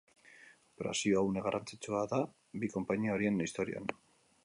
Operazioa une garrantzitsua da bi konpainia horien historian.